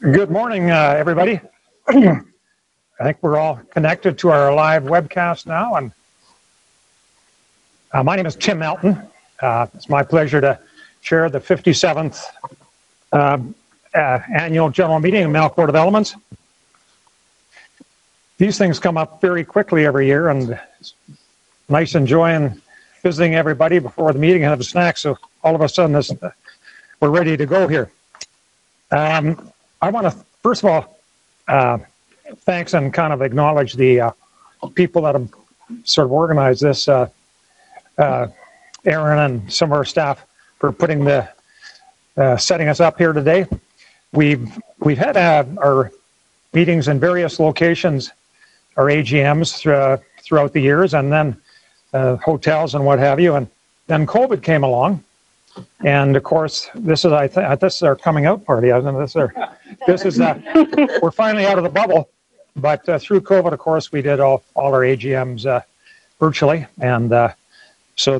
Good morning, everybody. I think we're all connected to our live webcast now. My name is Tim Melton. It's my pleasure to chair the 57th Annual General Meeting of Melcor Developments. These things come up very quickly every year, and it's nice enjoying visiting everybody before the meeting, have a snack. All of a sudden, we're ready to go here. I want to first of all thanks and acknowledge the people that have sort of organized this, Aaron and some of our staff for setting us up here today. We've had our meetings in various locations, our AGMs throughout the years, and then hotels and what have you, and then COVID came along. Of course, this is our coming out party. We're finally out of the bubble. Through COVID, of course, we did all our AGMs virtually.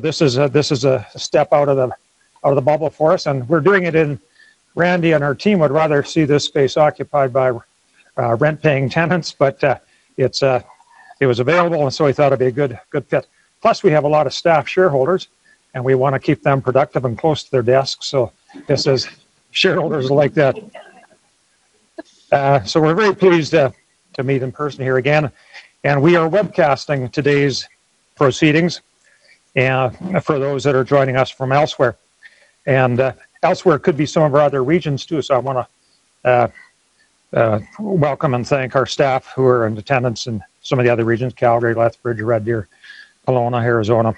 This is a step out of the bubble for us, and we're doing it in Randy and our team would rather see this space occupied by rent-paying tenants, but it was available, and so we thought it'd be a good fit. Plus, we have a lot of staff shareholders, and we want to keep them productive and close to their desks, so shareholders like that. We're very pleased to meet in person here again. We are webcasting today's proceedings for those that are joining us from elsewhere. Elsewhere could be some of our other regions, too. I want to welcome and thank our staff who are in attendance in some of the other regions, Calgary, Lethbridge, Red Deer, Kelowna, Arizona.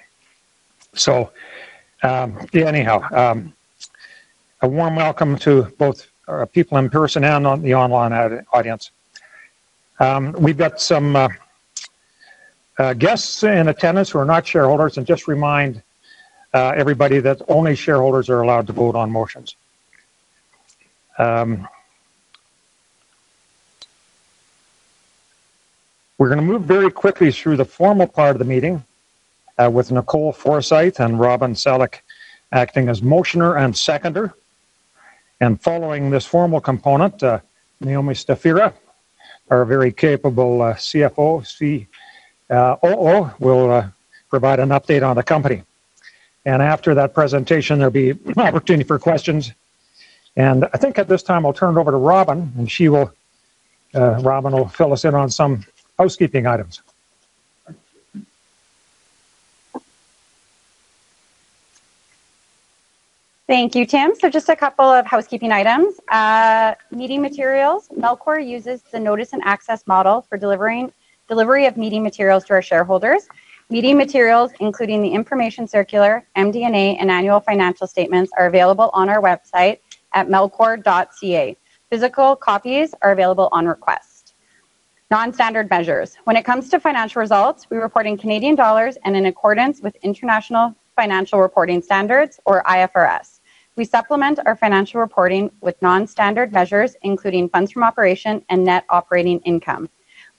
Anyhow, a warm welcome to both people in person and the online audience. We've got some guests in attendance who are not shareholders, and just remind everybody that only shareholders are allowed to vote on motions. We're going to move very quickly through the formal part of the meeting with Nicole Forsythe and Robyn Salik acting as motioner and seconder. Following this formal component, Naomi Stefura, our very capable CFO, COO, will provide an update on the company. After that presentation, there'll be opportunity for questions. I think at this time, I'll turn it over to Robyn, and Robyn will fill us in on some housekeeping items. Thank you, Tim. Just a couple of housekeeping items. Meeting materials. Melcor uses the notice and access model for delivery of meeting materials to our shareholders. Meeting materials, including the information circular, MD&A, and annual financial statements are available on our website at melcor.ca. Physical copies are available on request. Non-standard measures. When it comes to financial results, we report in Canadian dollars and in accordance with International Financial Reporting Standards or IFRS. We supplement our financial reporting with non-standard measures, including funds from operations and net operating income.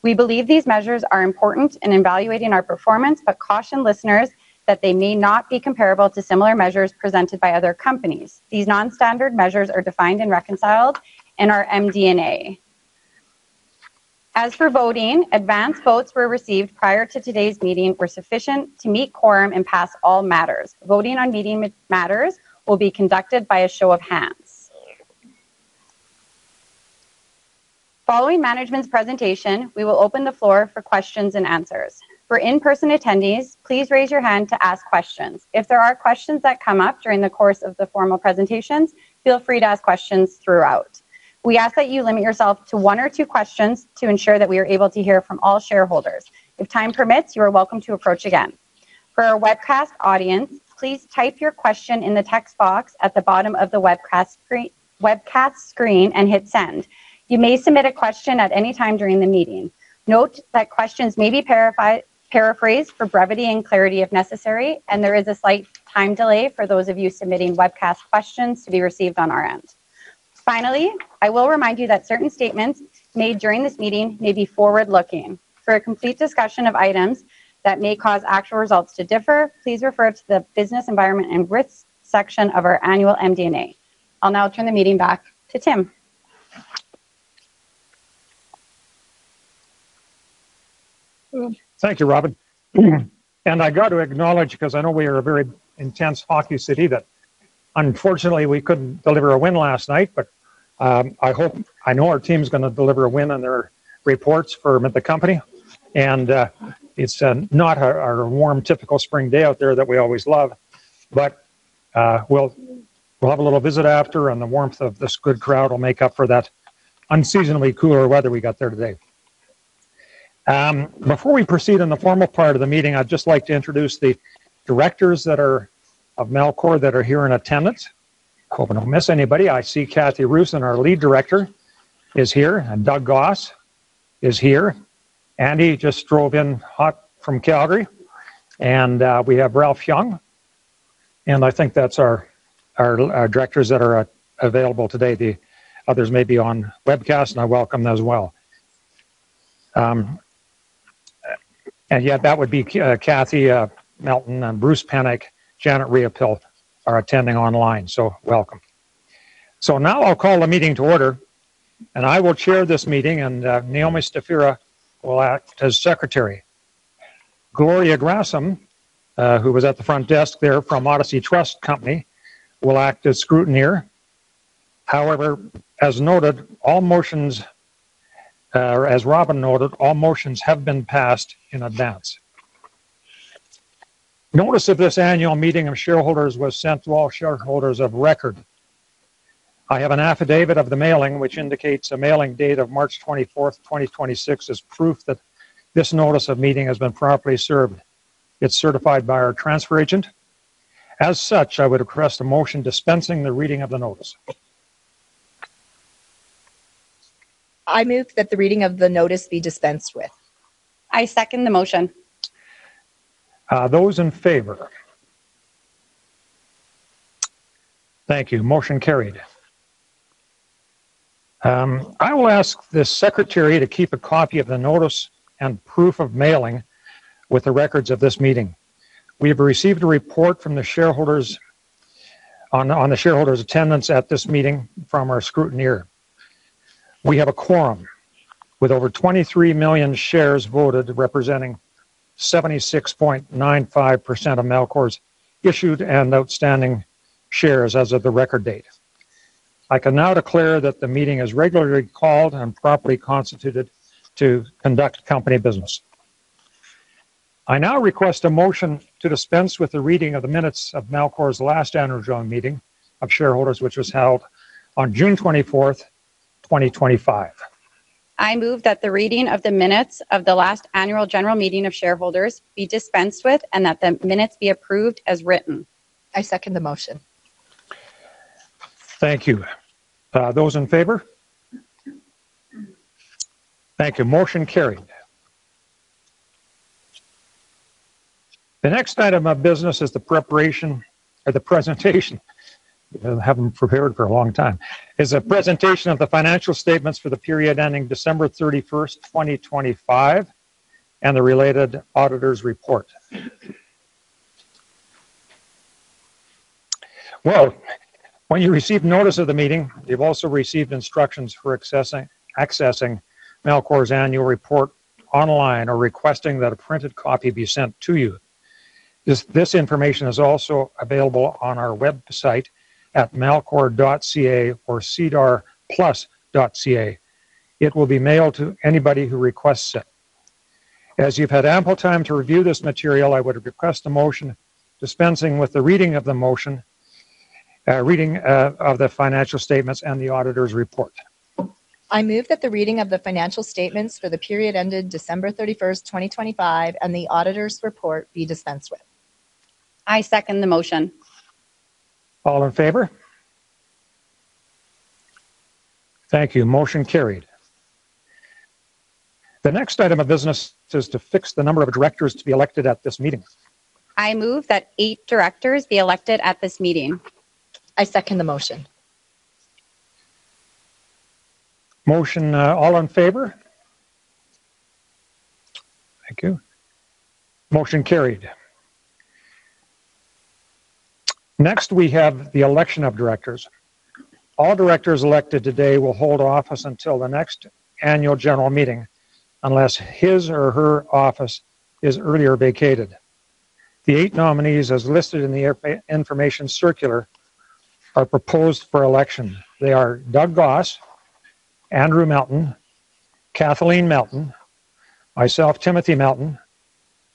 We believe these measures are important in evaluating our performance, but caution listeners that they may not be comparable to similar measures presented by other companies. These non-standard measures are defined and reconciled in our MD&A. As for voting, advanced votes were received prior to today's meeting and were sufficient to meet quorum and pass all matters. Voting on meeting matters will be conducted by a show of hands. Following management's presentation, we will open the floor for questions and answers. For in-person attendees, please raise your hand to ask questions. If there are questions that come up during the course of the formal presentations, feel free to ask questions throughout. We ask that you limit yourself to one or two questions to ensure that we are able to hear from all shareholders. If time permits, you are welcome to approach again. For our webcast audience, please type your question in the text box at the bottom of the webcast screen and hit send. You may submit a question at any time during the meeting. Note that questions may be paraphrased for brevity and clarity if necessary, and there is a slight time delay for those of you submitting webcast questions to be received on our end. Finally, I will remind you that certain statements made during this meeting may be forward-looking. For a complete discussion of items that may cause actual results to differ, please refer to the Business Environment and Risks section of our annual MD&A. I'll now turn the meeting back to Tim. Thank you, Robyn. I got to acknowledge because I know we are a very intense hockey city that unfortunately, we couldn't deliver a win last night, but I know our team's going to deliver a win on their reports for the company. It's not our warm, typical spring day out there that we always love. We'll have a little visit after, and the warmth of this good crowd will make up for that unseasonably cooler weather we got there today. Before we proceed in the formal part of the meeting, I'd just like to introduce the directors of Melcor that are here in attendance. Hope I don't miss anybody. I see Catherine Roozen, our Lead Director, is here, and Doug Goss is here. Andy just drove in hot from Calgary. We have Ralph Young, and I think that's our directors that are available today. The others may be on webcast, and I welcome as well. Yeah, that would be Kathleen Melton and Bruce Pennock, Janet Riopel are attending online. Welcome. Now I'll call the meeting to order, and I will chair this meeting, and Naomi Stefura will act as secretary. Gloria Grassam, who was at the front desk there from Odyssey Trust Company, will act as scrutineer. However, as Robyn noted, all motions have been passed in advance. Notice of this annual meeting of shareholders was sent to all shareholders of record. I have an affidavit of the mailing, which indicates a mailing date of March 24th, 2026, as proof that this notice of meeting has been properly served. It's certified by our transfer agent. As such, I would request a motion dispensing with the reading of the notice. I move that the reading of the notice be dispensed with. I second the motion. Those in favor? Thank you. Motion carried. I will ask the secretary to keep a copy of the notice and proof of mailing with the records of this meeting. We have received a report on the shareholders' attendance at this meeting from our scrutineer. We have a quorum with over 23 million shares voted, representing 76.95% of Melcor's issued and outstanding shares as of the record date. I can now declare that the meeting is regularly called and properly constituted to conduct company business. I now request a motion to dispense with the reading of the minutes of Melcor's last Annual General Meeting of Shareholders, which was held on June 24th, 2025. I move that the reading of the minutes of the last Annual General Meeting of Shareholders be dispensed with and that the minutes be approved as written. I second the motion. Thank you. Those in favor? Thank you. Motion carried. The next item of business is a presentation of the financial statements for the period ending December 31st, 2025, and the related auditor's report. Well, when you received notice of the meeting, you've also received instructions for accessing Melcor's annual report online or requesting that a printed copy be sent to you. This information is also available on our website at melcor.ca or sedarplus.ca. It will be mailed to anybody who requests it. As you've had ample time to review this material, I would request a motion dispensing with the reading of the financial statements and the auditor's report. I move that the reading of the financial statements for the period ended December 31st, 2025, and the auditor's report be dispensed with. I second the motion. All in favor? Thank you. Motion carried. The next item of business is to fix the number of directors to be elected at this meeting. I move that eight directors be elected at this meeting. I second the motion. Motion. All in favor? Thank you. Motion carried. Next, we have the election of directors. All directors elected today will hold office until the next annual general meeting unless his or her office is earlier vacated. The eight nominees, as listed in the information circular, are proposed for election. They are Doug Goss, Andrew Melton, Kathleen Melton, myself, Timothy Melton,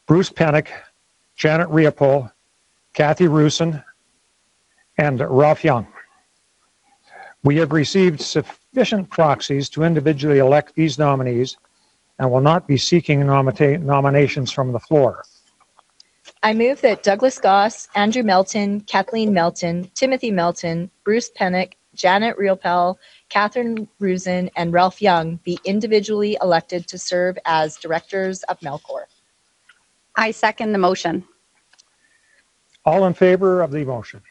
Bruce Pennock, Janet Riopel, Kathy Roozen, and Ralph Young. We have received sufficient proxies to individually elect these nominees and will not be seeking nominations from the floor. I move that Douglas Goss, Andrew Melton, Kathleen Melton, Timothy Melton, Bruce Pennock, Janet Riopel, Catherine Roozen, and Ralph Young be individually elected to serve as directors of Melcor. I second the motion. All in favor of the motion?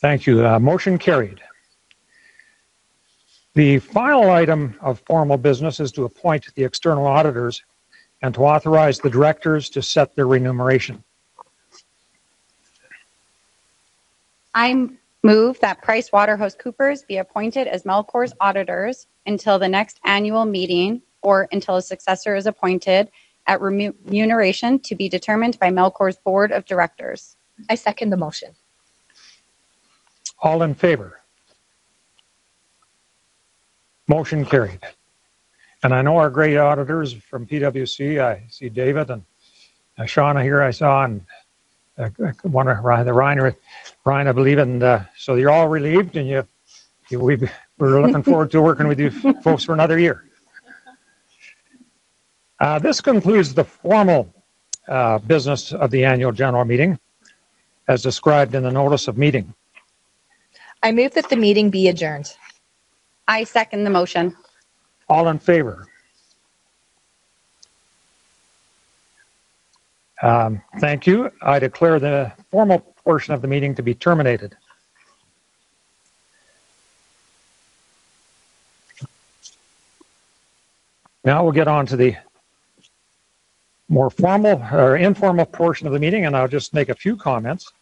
Thank you. Motion carried. The final item of formal business is to appoint the external auditors and to authorize the directors to set their remuneration. I move that PricewaterhouseCoopers be appointed as Melcor's auditors until the next annual meeting or until a successor is appointed at remuneration to be determined by Melcor's board of directors. I second the motion. All in favor? Motion carried. I know our great auditors from PwC. I see David and Shauna here I saw, and Ryan, I believe. You're all relieved, and we're looking forward to working with you folks for another year. This concludes the formal business of the annual general meeting as described in the notice of meeting. I move that the meeting be adjourned. I second the motion. All in favor? Thank you. I declare the formal portion of the meeting to be terminated. Now we'll get on to the more informal portion of the meeting, and I'll just make a few comments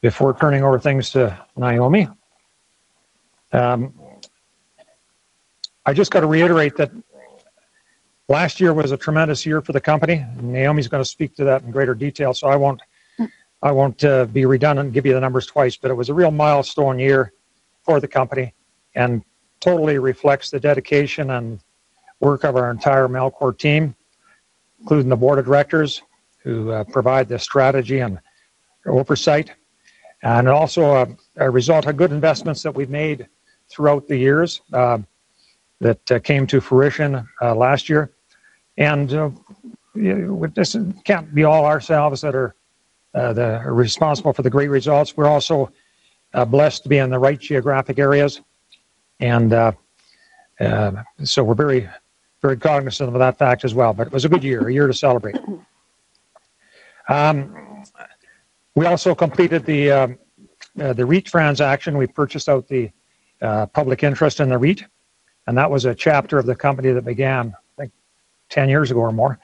before turning over things to Naomi. I just got to reiterate that last year was a tremendous year for the company. Naomi is going to speak to that in greater detail, so I won't be redundant and give you the numbers twice. But it was a real milestone year for the company and totally reflects the dedication and work of our entire Melcor team, including the board of directors, who provide the strategy and oversight, and also a result of good investments that we've made throughout the years that came to fruition last year. This can't be all ourselves that are responsible for the great results. We're also blessed to be in the right geographic areas. We're very cognizant of that fact as well. It was a good year, a year to celebrate. We also completed the REIT transaction. We purchased out the public interest in the REIT, and that was a chapter of the company that began 10 years ago or more.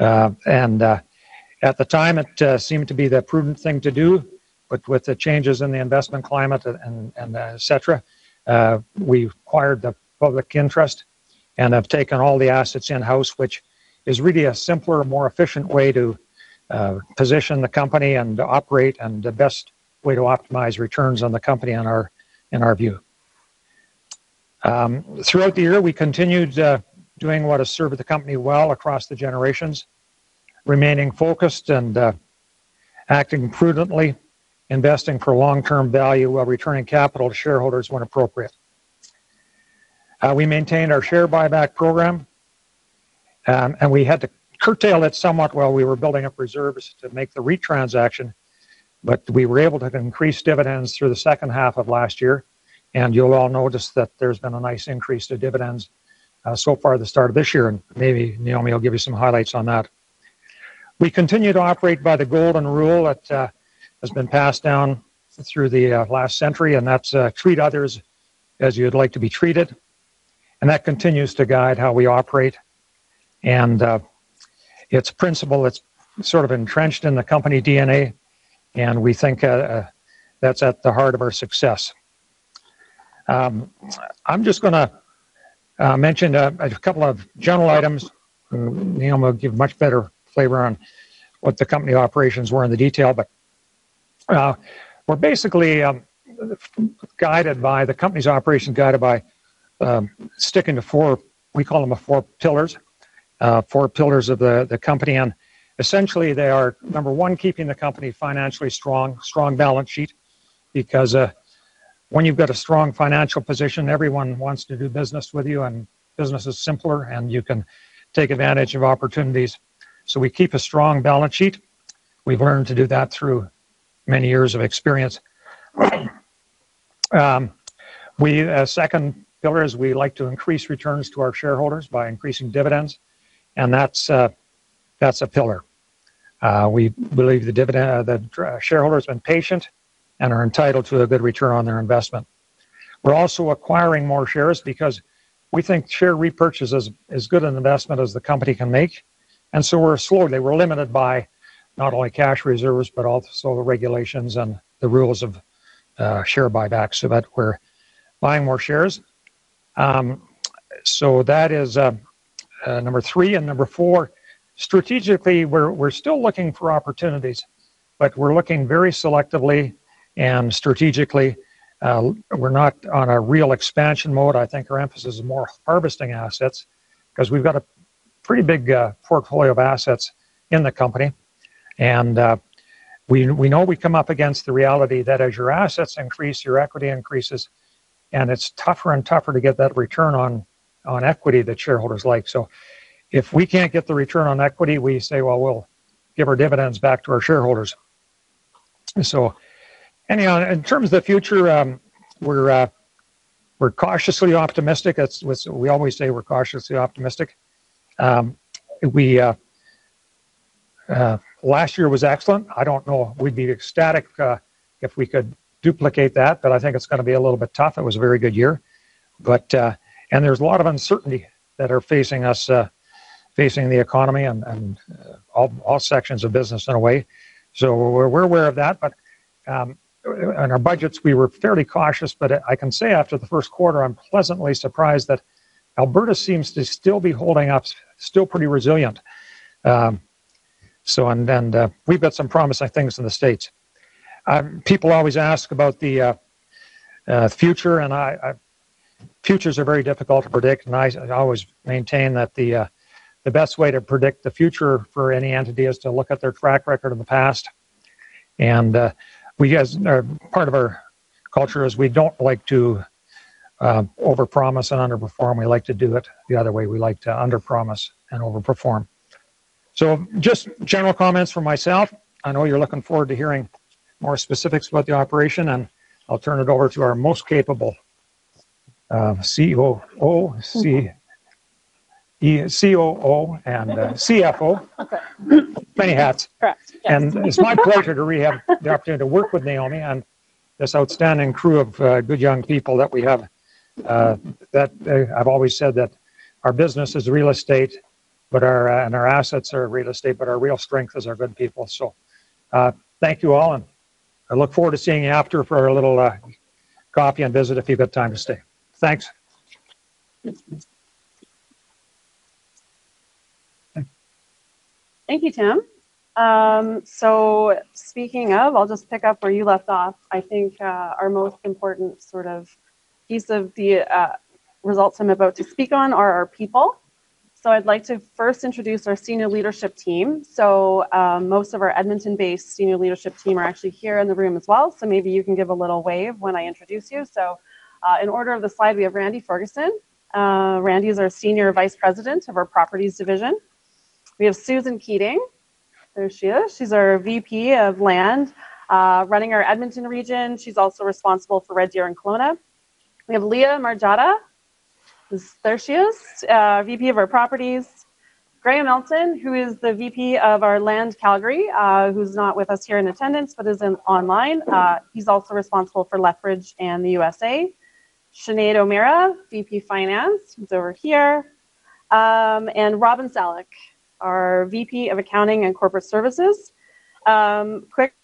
At the time, it seemed to be the prudent thing to do. With the changes in the investment climate, etc, we've acquired the public interest and have taken all the assets in-house, which is really a simpler, more efficient way to position the company and operate, and the best way to optimize returns on the company in our view. Throughout the year, we continued doing what has served the company well across the generations, remaining focused and acting prudently, investing for long-term value while returning capital to shareholders when appropriate. We maintained our share buyback program, and we had to curtail it somewhat while we were building up reserves to make the REIT transaction. We were able to increase dividends through the second half of last year, and you'll all notice that there's been a nice increase to dividends so far at the start of this year, and maybe Naomi will give you some highlights on that. We continue to operate by the golden rule that has been passed down through the last century, and that's treat others as you'd like to be treated, and that continues to guide how we operate. It's a principle that's sort of entrenched in the company DNA, and we think that's at the heart of our success. I'm just going to mention a couple of general items. Naomi will give much better flavor on what the company operations were in more detail. We're basically, the company's operations are guided by sticking to our four pillars of the company. Essentially they are, number one, keeping the company financially strong balance sheet. Because when you've got a strong financial position, everyone wants to do business with you and business is simpler, and you can take advantage of opportunities. We keep a strong balance sheet. We've learned to do that through many years of experience. Second pillar is we like to increase returns to our shareholders by increasing dividends, and that's a pillar. We believe the shareholder has been patient and are entitled to a good return on their investment. We're also acquiring more shares because we think share repurchase is as good an investment as the company can make. We're slowly, we're limited by not only cash reserves, but also the regulations and the rules of share buybacks, so that we're buying more shares. That is number three. Number four, strategically, we're still looking for opportunities, but we're looking very selectively and strategically. We're not on a real expansion mode. I think our emphasis is more harvesting assets because we've got a pretty big portfolio of assets in the company. We know we come up against the reality that as your assets increase, your equity increases, and it's tougher and tougher to get that return on equity that shareholders like. If we can't get the return on equity, we say, "Well, we'll give our dividends back to our shareholders." Anyhow, in terms of the future, we're cautiously optimistic. We always say we're cautiously optimistic. Last year was excellent. I don't know if we'd be ecstatic if we could duplicate that, but I think it's going to be a little bit tough. It was a very good year. There's a lot of uncertainty that are facing us, facing the economy and all sections of business in a way. We're aware of that. In our budgets, we were fairly cautious. I can say after the first quarter, I'm pleasantly surprised that Alberta seems to still be holding up, still pretty resilient. We've got some promising things in the States. People always ask about the future, and futures are very difficult to predict, and I always maintain that the best way to predict the future for any entity is to look at their track record in the past. Part of our culture is we don't like to overpromise and underperform. We like to do it the other way. We like to underpromise and overperform. Just general comments from myself. I know you're looking forward to hearing more specifics about the operation, and I'll turn it over to our most capable COO and CFO. Okay. Many hats. Correct, yes. It's my pleasure to have the opportunity to work with Naomi and this outstanding crew of good young people that we have. I've always said that our business is real estate, and our assets are real estate, but our real strength is our good people. Thank you all, and I look forward to seeing you after for a little coffee and visit if you've got time to stay. Thanks. Thank you, Tim. Speaking of, I'll just pick up where you left off. I think our most important piece of the results I'm about to speak on are our people. I'd like to first introduce our senior leadership team. Most of our Edmonton-based senior leadership team are actually here in the room as well, so maybe you can give a little wave when I introduce you. In order of the slide, we have Randy Ferguson. Randy is our Senior Vice President of our properties division. We have Susan Keating. There she is. She's our VP of land, running our Edmonton region. She's also responsible for Red Deer and Kelowna. We have Leah Margiotta. There she is, VP of our properties. Graeme Melton, who is the VP of our land Calgary, who's not with us here in attendance but is online. He's also responsible for Lethbridge and the U.S.A. Sinéad O'Meara, VP Finance, who's over here. Robyn Salik, our VP of Accounting and Corporate Services. Quick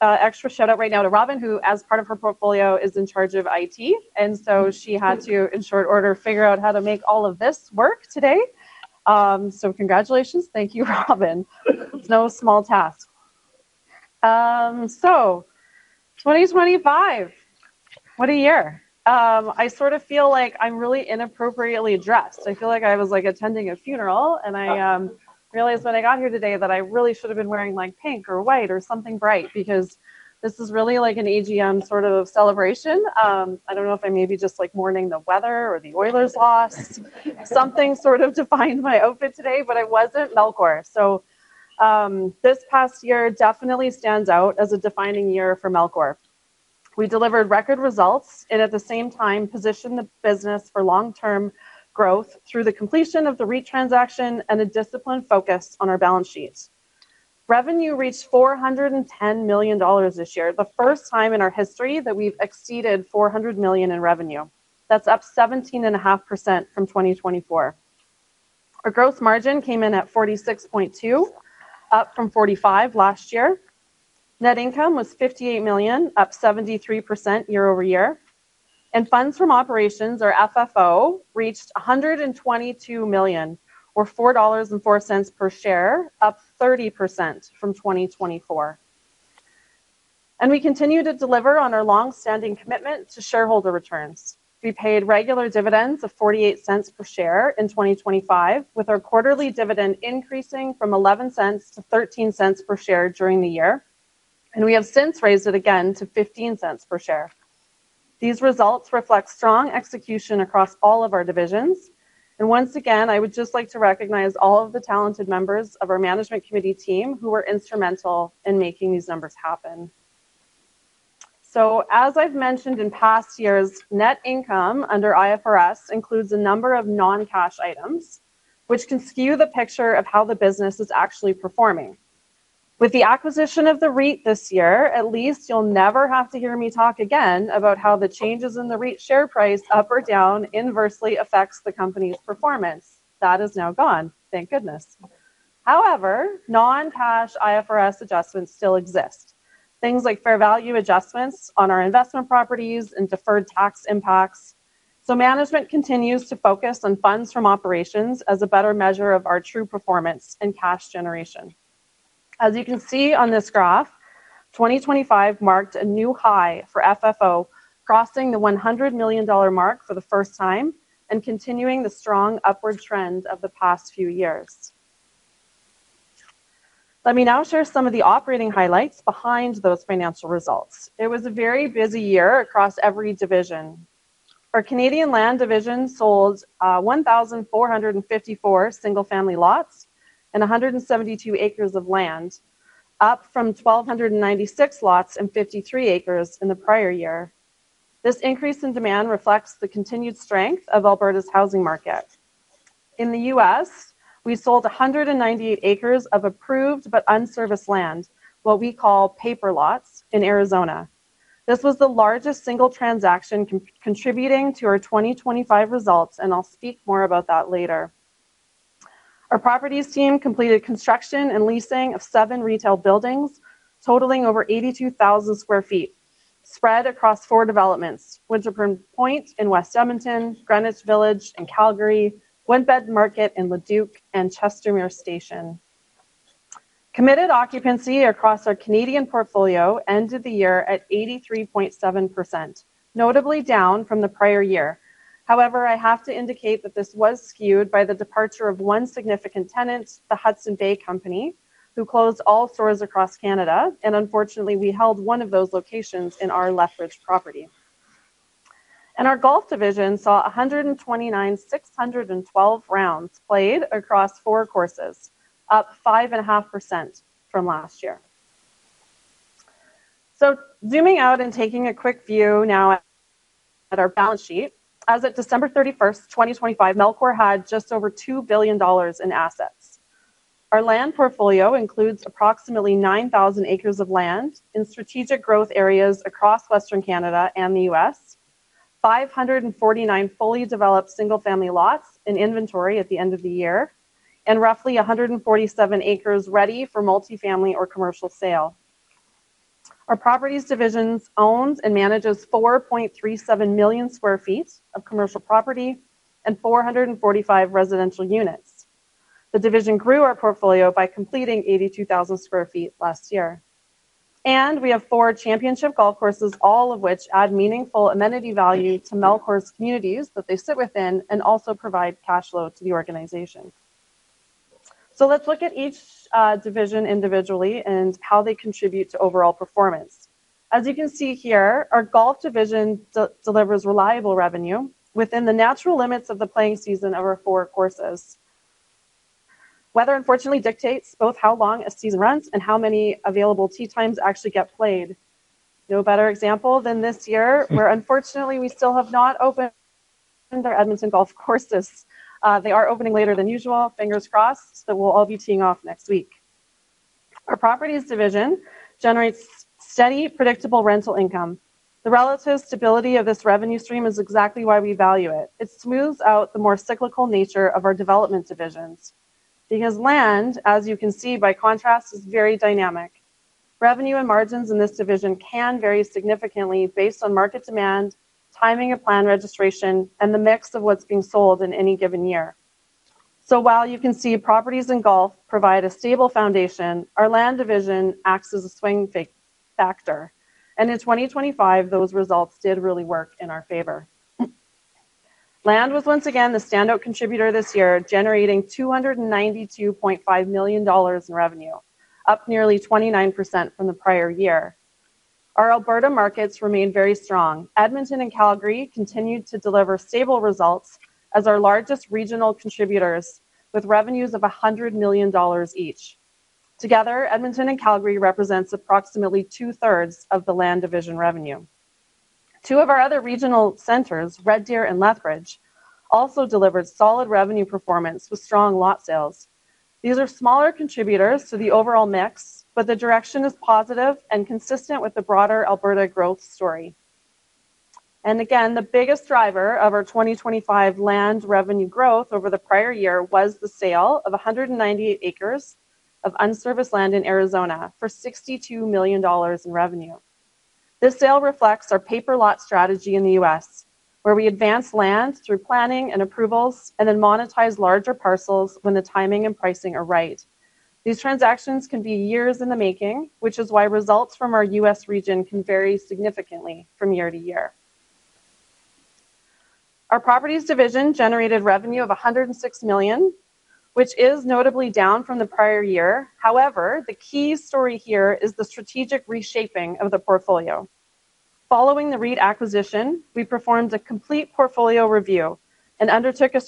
extra shout-out right now to Robyn, who, as part of her portfolio, is in charge of IT, and so she had to, in short order, figure out how to make all of this work today. Congratulations. Thank you, Robyn. No small task. 2025, what a year. I sort of feel like I'm really inappropriately dressed. I feel like I was attending a funeral, and I realized when I got here today that I really should have been wearing pink or white or something bright because this is really like an AGM sort of celebration. I don't know if I'm maybe just mourning the weather or the Oilers lost. Something sort of defined my outfit today, but it wasn't Melcor. This past year definitely stands out as a defining year for Melcor. We delivered record results and at the same time positioned the business for long-term growth through the completion of the REIT transaction and a disciplined focus on our balance sheets. Revenue reached 410 million dollars this year, the first time in our history that we've exceeded 400 million in revenue. That's up 17.5% from 2024. Our gross margin came in at 46.2%, up from 45% last year. Net income was 58 million, up 73% year-over-year. Funds from operations, or FFO, reached 122 million, or 4.04 dollars per share, up 30% from 2024. We continue to deliver on our longstanding commitment to shareholder returns. We paid regular dividends of 0.48 per share in 2025, with our quarterly dividend increasing from 0.11 to 0.13 per share during the year. We have since raised it again to 0.15 per share. These results reflect strong execution across all of our divisions. Once again, I would just like to recognize all of the talented members of our management committee team who were instrumental in making these numbers happen. As I've mentioned in past years, net income under IFRS includes a number of non-cash items, which can skew the picture of how the business is actually performing. With the acquisition of the REIT this year, at least you'll never have to hear me talk again about how the changes in the REIT share price up or down inversely affects the company's performance. That is now gone, thank goodness. However, non-cash IFRS adjustments still exist. Things like fair value adjustments on our investment properties and deferred tax impacts. Management continues to focus on funds from operations as a better measure of our true performance and cash generation. As you can see on this graph, 2025 marked a new high for FFO, crossing the 100 million dollar mark for the first time and continuing the strong upward trend of the past few years. Let me now share some of the operating highlights behind those financial results. It was a very busy year across every division. Our Canadian land division sold 1,454 single-family lots and 172 acres of land, up from 1,296 lots and 53 acres in the prior-year. This increase in demand reflects the continued strength of Alberta's housing market. In the U.S., we sold 198 acres of approved but unserviced land, what we call paper lots, in Arizona. This was the largest single transaction contributing to our 2025 results, and I'll speak more about that later. Our properties team completed construction and leasing of seven retail buildings totaling over 82,000 sq ft spread across four developments, Winterburn Point in West Edmonton, Greenwich Village in Calgary, Woodbend Market in Leduc, and Chestermere Station. Committed occupancy across our Canadian portfolio ended the year at 83.7%, notably down from the prior year. However, I have to indicate that this was skewed by the departure of one significant tenant, the Hudson's Bay Company, who closed all stores across Canada, and unfortunately, we held one of those locations in our Lethbridge property. Our golf division saw 129,612 rounds played across four courses, up 5.5% from last year. Zooming out and taking a quick view now at our balance sheet. As of December 31st, 2025, Melcor had just over 2 billion dollars in assets. Our land portfolio includes approximately 9,000 acres of land in strategic growth areas across Western Canada and the U.S., 549 fully developed single-family lots in inventory at the end of the year, and roughly 147 acres ready for multifamily or commercial sale. Our Properties division owns and manages 4.37 million sq ft of commercial property and 445 residential units. The division grew our portfolio by completing 82,000 sq ft last year. We have four championship golf courses, all of which add meaningful amenity value to Melcor's communities that they sit within and also provide cash flow to the organization. Let's look at each division individually and how they contribute to overall performance. As you can see here, our golf division delivers reliable revenue within the natural limits of the playing season of our four courses. Weather unfortunately dictates both how long a season runs and how many available tee times actually get played. No better example than this year, where unfortunately we still have not opened our Edmonton golf courses. They are opening later than usual, fingers crossed, that we'll all be teeing off next week. Our properties division generates steady, predictable rental income. The relative stability of this revenue stream is exactly why we value it. It smooths out the more cyclical nature of our development divisions. Because land, as you can see by contrast, is very dynamic. Revenue and margins in this division can vary significantly based on market demand, timing of plan registration, and the mix of what's being sold in any given year. While you can see properties and golf provide a stable foundation, our land division acts as a swing factor. In 2025, those results did really work in our favor. Land was once again the standout contributor this year, generating 292.5 million dollars in revenue, up nearly 29% from the prior-year. Our Alberta markets remained very strong. Edmonton and Calgary continued to deliver stable results as our largest regional contributors, with revenues of 100 million dollars each. Together, Edmonton and Calgary represents approximately two-thirds of the land division revenue. Two of our other regional centers, Red Deer and Lethbridge, also delivered solid revenue performance with strong lot sales. These are smaller contributors to the overall mix, but the direction is positive and consistent with the broader Alberta growth story. Again, the biggest driver of our 2025 land revenue growth over the prior-year was the sale of 198 acres of unserviced land in Arizona for 62 million dollars in revenue. This sale reflects our paper lot strategy in the U.S., where we advance land through planning and approvals and then monetize larger parcels when the timing and pricing are right. These transactions can be years in the making, which is why results from our U.S. region can vary significantly from year-to-year. Our properties division generated revenue of 106 million, which is notably down from the prior-year. However, the key story here is the strategic reshaping of the portfolio. Following the REIT acquisition, we performed a complete portfolio review and undertook a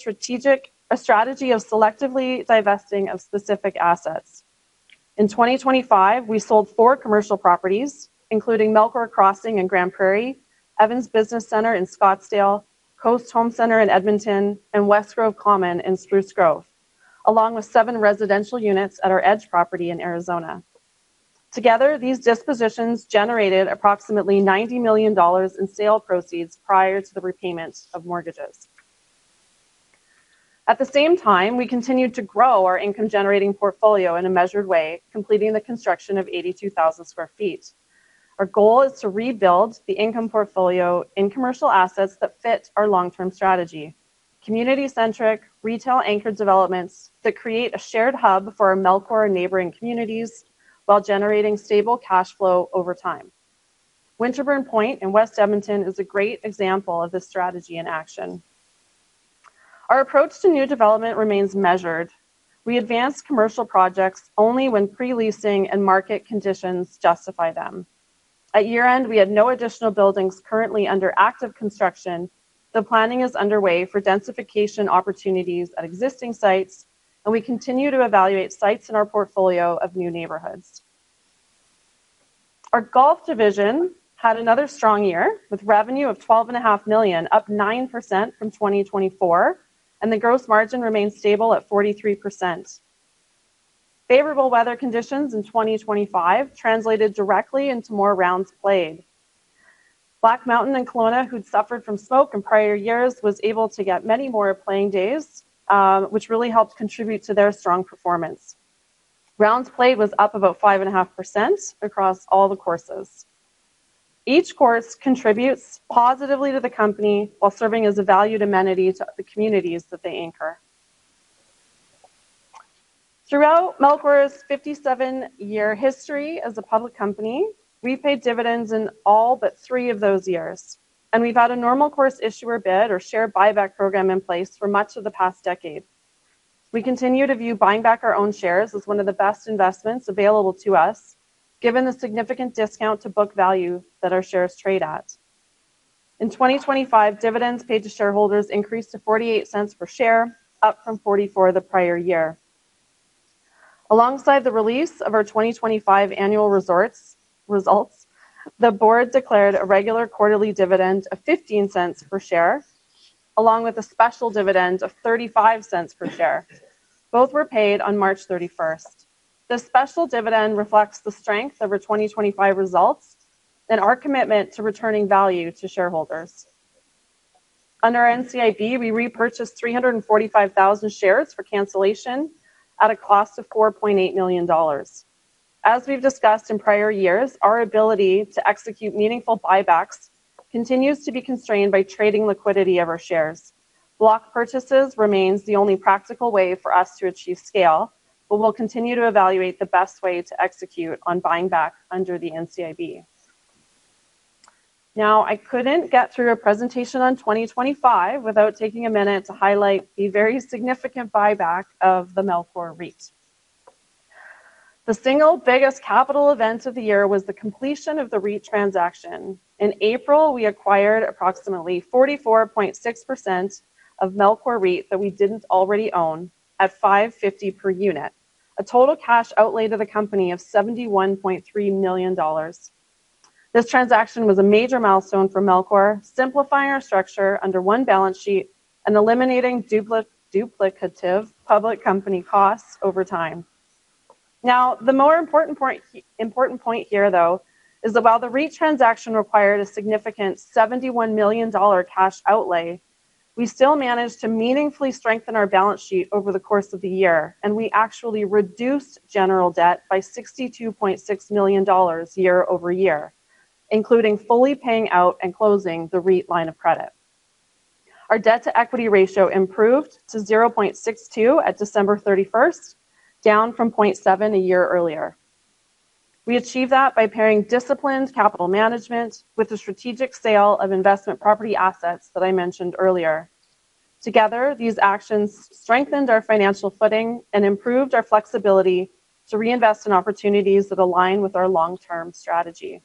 strategy of selectively divesting of specific assets. In 2025, we sold four commercial properties, including Melcor Crossing in Grande Prairie, Evans Business Center in Scottsdale, Coast Home Centre in Edmonton, and Westgrove Common in Spruce Grove, along with seven residential units at our Edge property in Arizona. Together, these dispositions generated approximately 90 million dollars in sale proceeds prior to the repayment of mortgages. At the same time, we continued to grow our income-generating portfolio in a measured way, completing the construction of 82,000 sq ft. Our goal is to rebuild the income portfolio in commercial assets that fit our long-term strategy. Community-centric, retail-anchored developments that create a shared hub for our Melcor neighboring communities while generating stable cash flow over time. Winterburn Point in West Edmonton is a great example of this strategy in action. Our approach to new development remains measured. We advance commercial projects only when pre-leasing and market conditions justify them. At year-end, we had no additional buildings currently under active construction, though planning is underway for densification opportunities at existing sites, and we continue to evaluate sites in our portfolio of new neighborhoods. Our golf division had another strong year, with revenue of 12.5 million, up 9% from 2024, and the gross margin remained stable at 43%. Favorable weather conditions in 2025 translated directly into more rounds played. Black Mountain in Kelowna, who'd suffered from smoke in prior-years, was able to get many more playing days, which really helped contribute to their strong performance. Rounds played was up about 5.5% across all the courses. Each course contributes positively to the company while serving as a valued amenity to the communities that they anchor. Throughout Melcor's 57-year history as a public company, we paid dividends in all but three of those years, and we've had a Normal Course Issuer Bid or share buyback program in place for much of the past decade. We continue to view buying back our own shares as one of the best investments available to us, given the significant discount to book value that our shares trade at. In 2025, dividends paid to shareholders increased to 0.48 per share, up from 0.44 the prior-year. Alongside the release of our 2025 annual results, the board declared a regular quarterly dividend of 0.15 per share, along with a special dividend CAD of 0.35 per share. Both were paid on March 31st. The special dividend reflects the strength of our 2025 results and our commitment to returning value to shareholders. Under NCIB, we repurchased 345,000 shares for cancellation at a cost of 4.8 million dollars. As we've discussed in prior-years, our ability to execute meaningful buybacks continues to be constrained by trading liquidity of our shares. Block purchases remains the only practical way for us to achieve scale, but we'll continue to evaluate the best way to execute on buying back under the NCIB. I couldn't get through a presentation on 2025 without taking a minute to highlight the very significant buyback of the Melcor REIT. The single biggest capital event of the year was the completion of the REIT transaction. In April, we acquired approximately 44.6% of Melcor REIT that we didn't already own at 5.50 per unit, a total cash outlay to the company of 71.3 million dollars. This transaction was a major milestone for Melcor, simplifying our structure under one balance sheet and eliminating duplicative public company costs over time. Now, the more important point here, though, is that while the REIT transaction required a significant 71 million dollar cash outlay, we still managed to meaningfully strengthen our balance sheet over the course of the year, and we actually reduced general debt by 62.6 million dollars year-over-year, including fully paying out and closing the REIT line of credit. Our debt-to-equity ratio improved to 0.62 at December 31st, down from 0.7 a year earlier. We achieved that by pairing disciplined capital management with the strategic sale of investment property assets that I mentioned earlier. Together, these actions strengthened our financial footing and improved our flexibility to reinvest in opportunities that align with our long-term strategy.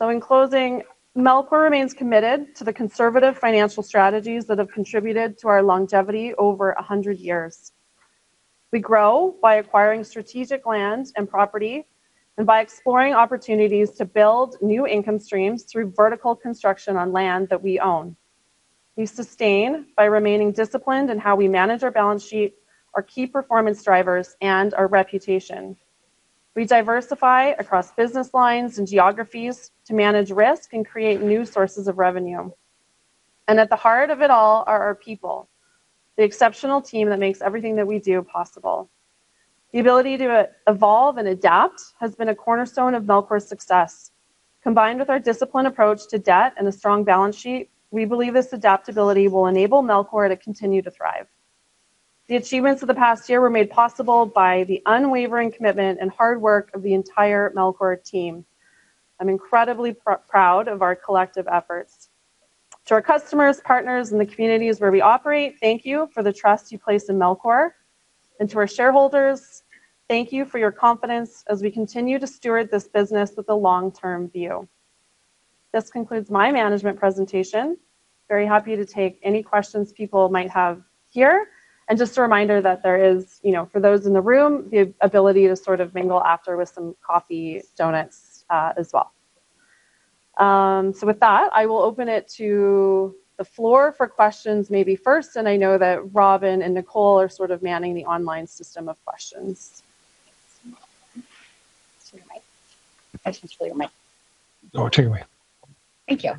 In closing, Melcor remains committed to the conservative financial strategies that have contributed to our longevity over 100 years. We grow by acquiring strategic land and property and by exploring opportunities to build new income streams through vertical construction on land that we own. We sustain by remaining disciplined in how we manage our balance sheet, our key performance drivers, and our reputation. We diversify across business lines and geographies to manage risk and create new sources of revenue. At the heart of it all are our people, the exceptional team that makes everything that we do possible. The ability to evolve and adapt has been a cornerstone of Melcor's success. Combined with our disciplined approach to debt and a strong balance sheet, we believe this adaptability will enable Melcor to continue to thrive. The achievements of the past year were made possible by the unwavering commitment and hard work of the entire Melcor team. I'm incredibly proud of our collective efforts. To our customers, partners, and the communities where we operate, thank you for the trust you place in Melcor, and to our shareholders, thank you for your confidence as we continue to steward this business with a long-term view. This concludes my management presentation. Very happy to take any questions people might have here. Just a reminder that there is, for those in the room, the ability to sort of mingle after with some coffee, donuts, as well. With that, I will open it to the floor for questions maybe first, and I know that Robyn and Nicole are sort of manning the online system of questions. It's not on. I just need your mic. Oh, take it away. Thank you.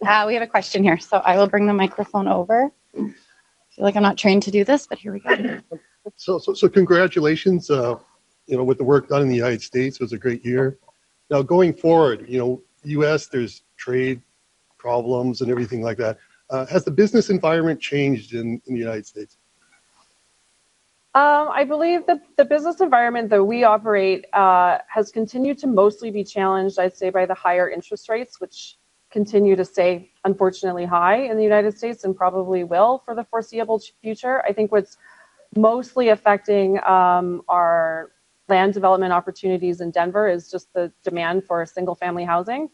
We have a question here, so I will bring the microphone over. I feel like I'm not trained to do this, but here we go. Congratulations. With the work done in the United States, it was a great year. Now, going forward, U.S., there's trade problems and everything like that. Has the business environment changed in the United States? I believe that the business environment that we operate has continued to mostly be challenged, I'd say, by the higher interest rates, which continue to stay unfortunately high in the United States and probably will for the foreseeable future. I think what's mostly affecting our land development opportunities in Denver is just the demand for single-family housing.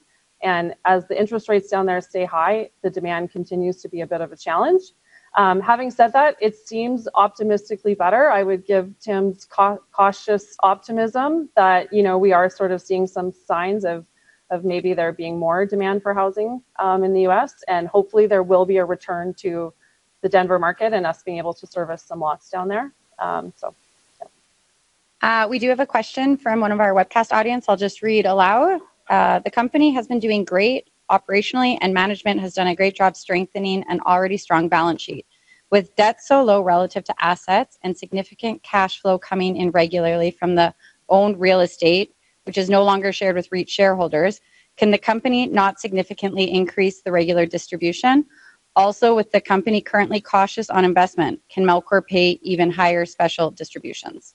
As the interest rates down there stay high, the demand continues to be a bit of a challenge. Having said that, it seems optimistically better. I would give Tim's cautious optimism that we are sort of seeing some signs of maybe there being more demand for housing in the U.S., and hopefully there will be a return to the Denver market and us being able to service some lots down there. Yeah. We do have a question from one of our webcast audience. I'll just read aloud. The company has been doing great operationally, and management has done a great job strengthening an already strong balance sheet. With debt so low relative to assets and significant cash flow coming in regularly from the owned real estate, which is no longer shared with REIT shareholders, can the company not significantly increase the regular distribution? Also, with the company currently cautious on investment, can Melcor pay even higher special distributions?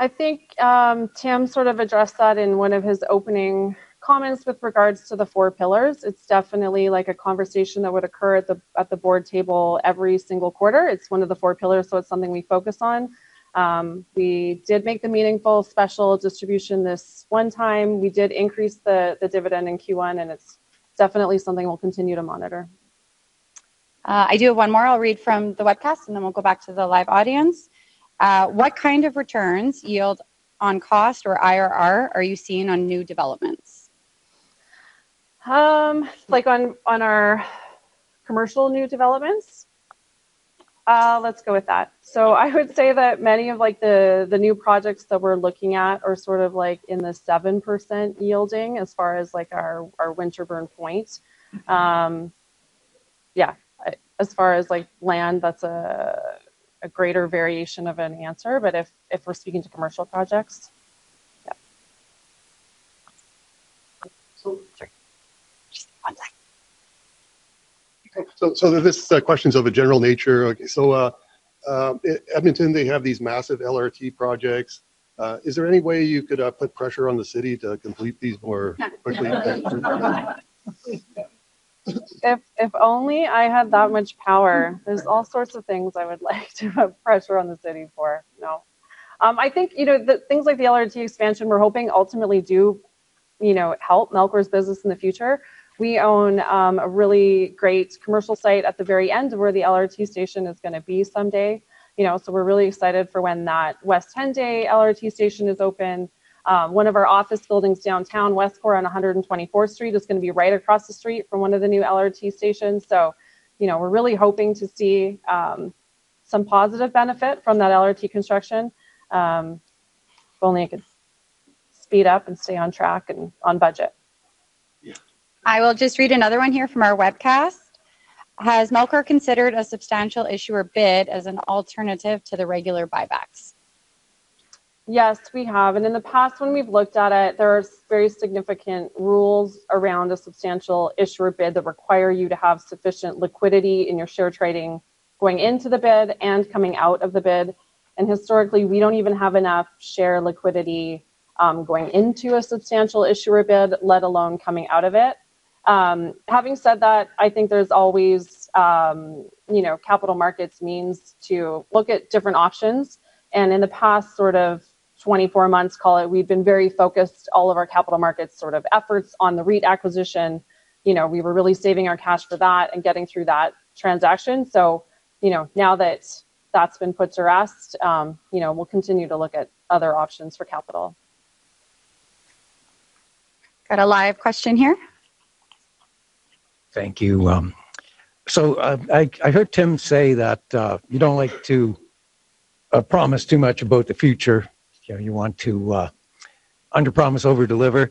I think Tim sort of addressed that in one of his opening comments with regards to the four pillars. It's definitely a conversation that would occur at the board table every single quarter. It's one of the four pillars, so it's something we focus on. We did make the meaningful special distribution this one time. We did increase the dividend in Q1, and it's definitely something we'll continue to monitor. I do have one more. I'll read from the webcast, and then we'll go back to the live audience. What kind of returns, yield on cost or IRR, are you seeing on new developments? Like on our commercial new developments? Let's go with that. I would say that many of the new projects that we're looking at are sort of in the 7% yielding as far as our Winterburn Point. Yeah. As far as land, that's a greater variation of an answer. If we're speaking to commercial projects, yeah. Sorry. Just one sec. This question's of a general nature. Okay. Edmonton, they have these massive LRT projects. Is there any way you could put pressure on the city to complete these more quickly? If only I had that much power. There's all sorts of things I would like to put pressure on the city for. No. I think things like the LRT expansion, we're hoping ultimately do help Melcor's business in the future. We own a really great commercial site at the very end of where the LRT station is going to be someday. We're really excited for when that West 10 Day LRT station is open. One of our office buildings downtown, Westcor on 124th Street, is going to be right across the street from one of the new LRT stations. We're really hoping to see some positive benefit from that LRT construction. If only it could speed up and stay on track and on budget. Yeah. I will just read another one here from our webcast. Has Melcor considered a substantial issuer bid as an alternative to the regular buybacks? Yes, we have, and in the past when we've looked at it, there's very significant rules around a substantial issuer bid that require you to have sufficient liquidity in your share trading going into the bid and coming out of the bid. Historically, we don't even have enough share liquidity going into a substantial issuer bid, let alone coming out of it. Having said that, I think there's always capital markets means to look at different options, and in the past sort of 24 months, call it, we've been very focused, all of our capital markets sort of efforts on the REIT acquisition. We were really saving our cash for that and getting through that transaction. Now that that's been put to rest, we'll continue to look at other options for capital. Got a live question here. Thank you. I heard Tim say that you don't like to promise too much about the future. You want to underpromise, overdeliver.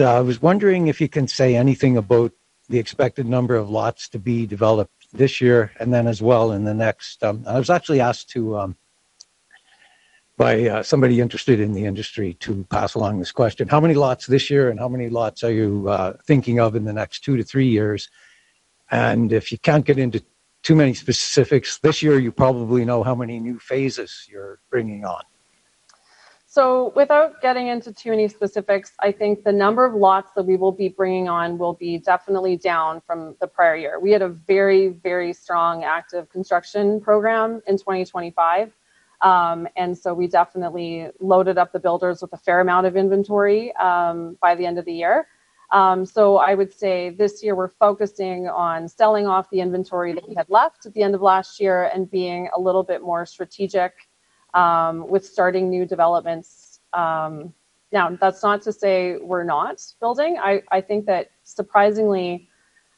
I was wondering if you can say anything about the expected number of lots to be developed this year, and then as well in the next. I was actually asked to, by somebody interested in the industry, to pass along this question. How many lots this year, and how many lots are you thinking of in the next two-three years? If you can't get into too many specifics this year, you probably know how many new phases you're bringing on. Without getting into too many specifics, I think the number of lots that we will be bringing on will be definitely down from the prior-year. We had a very strong, active construction program in 2025. We definitely loaded up the builders with a fair amount of inventory by the end of the year. I would say this year we're focusing on selling off the inventory that we had left at the end of last year and being a little bit more strategic with starting new developments. Now, that's not to say we're not building. I think that surprisingly,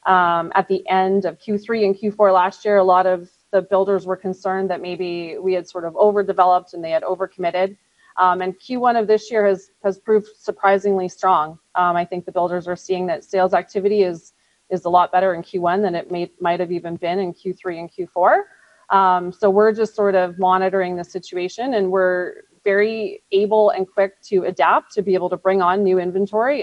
at the end of Q3 and Q4 last year, a lot of the builders were concerned that maybe we had sort of overdeveloped and they had overcommitted. Q1 of this year has proved surprisingly strong. I think the builders are seeing that sales activity is a lot better in Q1 than it might have even been in Q3 and Q4. We're just sort of monitoring the situation, and we're very able and quick to adapt to be able to bring on new inventory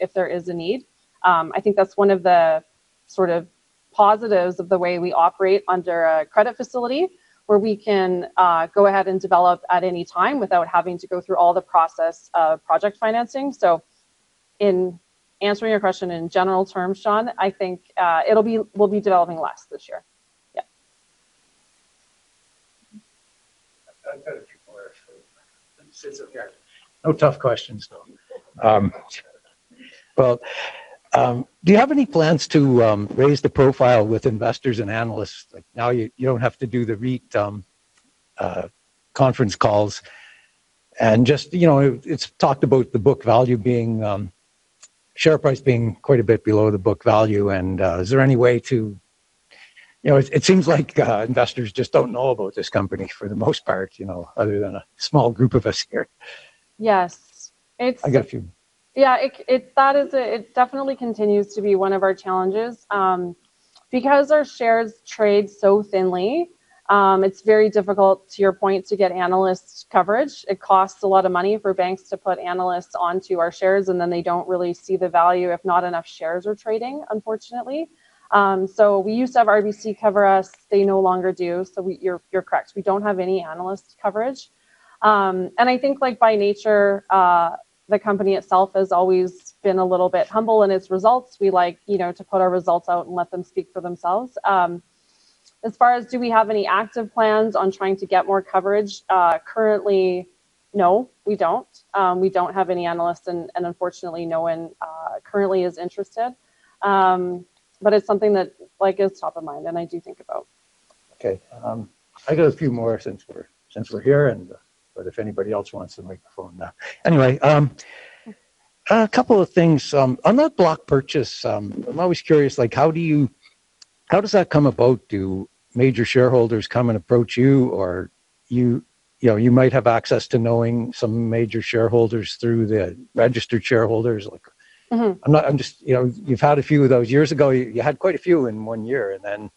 if there is a need. I think that's one of the sort of positives of the way we operate under a credit facility, where we can go ahead and develop at any time without having to go through all the process of project financing. In answering your question in general terms, Sean, I think we'll be developing less this year. Yeah. I've got a few more actually. It's okay. No tough questions, though. Well, do you have any plans to raise the profile with investors and analysts? Now you don't have to do the REIT conference calls. It's talked about the share price being quite a bit below the book value, and is there any way to. It seems like investors just don't know about this company for the most part, other than a small group of us here. Yes. I got a few. Yeah. It definitely continues to be one of our challenges. Because our shares trade so thinly, it's very difficult, to your point, to get analyst coverage. It costs a lot of money for banks to put analysts onto our shares, and then they don't really see the value if not enough shares are trading, unfortunately. We used to have RBC cover us. They no longer do. You're correct. We don't have any analyst coverage. And I think by nature, the company itself has always been a little bit humble in its results. We like to put our results out and let them speak for themselves. As far as do we have any active plans on trying to get more coverage? Currently, no, we don't. We don't have any analysts, and unfortunately, no one currently is interested. It's something that is top of mind and I do think about. Okay. I got a few more since we're here but if anybody else wants the microphone now. Anyway, a couple of things. On that block purchase, I'm always curious how does that come about? Do major shareholders come and approach you or you might have access to knowing some major shareholders through the registered shareholders? You've had a few of those years ago. You had quite a few in one year, and then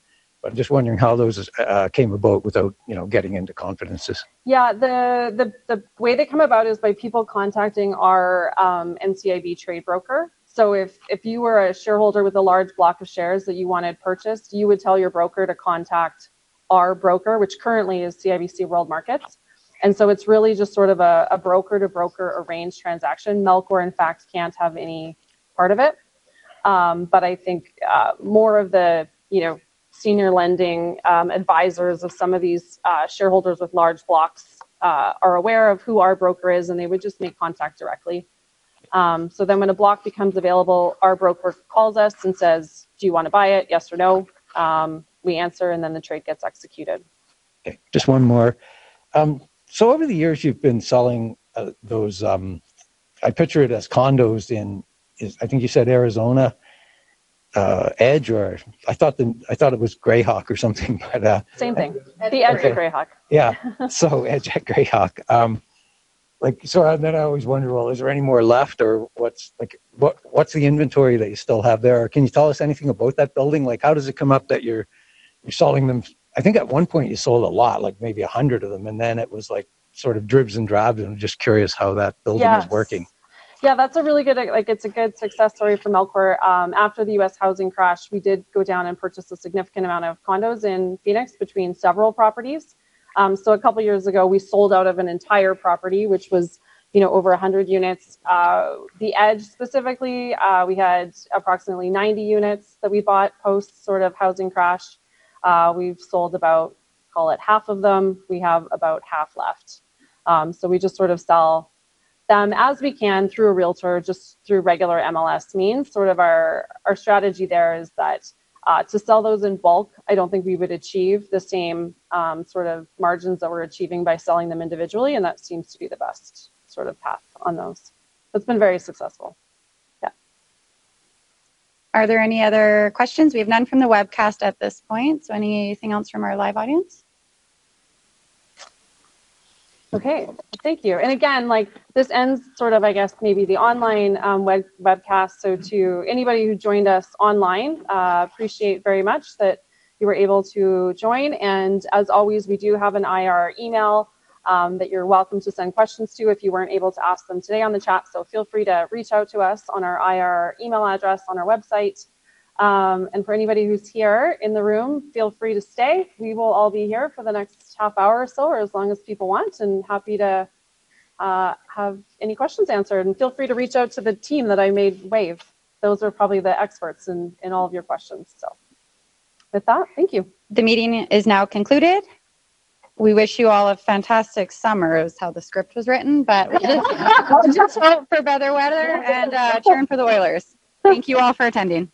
I'm just wondering how those came about without getting into confidences. Yeah. The way they come about is by people contacting our NCIB trade broker. If you were a shareholder with a large block of shares that you wanted purchased, you would tell your broker to contact our broker, which currently is CIBC World Markets. It's really just sort of a broker to broker arranged transaction. Melcor, in fact, can't have any part of it. I think more of the senior lending advisors of some of these shareholders with large blocks are aware of who our broker is, and they would just make contact directly. When a block becomes available, our broker calls us and says, "Do you want to buy it? Yes or no?" We answer and then the trade gets executed. Okay, just one more. Over the years you've been selling those, I picture it as condos in, I think you said Arizona, Edge, or I thought it was Grayhawk or something, but. Same thing. The Edge at Grayhawk. Yeah. Edge at Grayhawk. I always wonder, well, is there any more left or what's the inventory that you still have there? Can you tell us anything about that building? How does it come up that you're selling them? I think at one point you sold a lot, maybe 100 of them, and then it was sort of dribs and drabs, and I'm just curious how that building is working. Yeah, that's a really good success story for Melcor. After the U.S. housing crash, we did go down and purchase a significant amount of condos in Phoenix between several properties. A couple of years ago, we sold out of an entire property, which was over 100 units. The Edge specifically, we had approximately 90 units that we bought post housing crash. We've sold about, call it half of them. We have about half left. We just sort of sell them as we can through a realtor, just through regular MLS means. Sort of our strategy there is that to sell those in bulk, I don't think we would achieve the same sort of margins that we're achieving by selling them individually, and that seems to be the best path on those. It's been very successful. Yeah. Are there any other questions? We have none from the webcast at this point, so anything else from our live audience? Okay. Thank you. Again, this ends sort of, I guess maybe the online webcast. To anybody who joined us online, we appreciate very much that you were able to join. As always, we do have an IR email that you're welcome to send questions to if you weren't able to ask them today on the chat. Feel free to reach out to us on our IR email address on our website. For anybody who's here in the room, feel free to stay. We will all be here for the next half hour or so or as long as people want, and we're happy to have any questions answered. Feel free to reach out to the team that I mentioned. Those are probably the experts in all of your questions. With that, thank you. The meeting is now concluded. We wish you all a fantastic summer. It was how the script was written, but just hope for better weather and cheer in for the Oilers. Thank you all for attending.